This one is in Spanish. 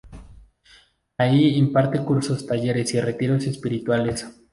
Ahí imparte cursos, talleres y retiros espirituales.